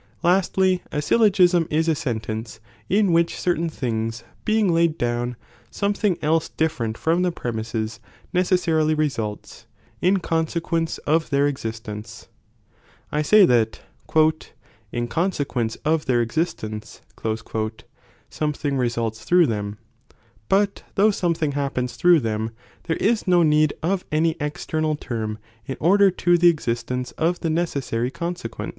Lastly, a I'yUo^m.^ syllogism is a sentence in which certain things being laid down, something else different from the premises necessarily results, in consequence of their ex istence.^ I say that, "in consequence of their existence," something results through them, but though something happens through them, there is no need of any external term in order 1 The 1 tter ^^*^® existence of the necessary (consequence).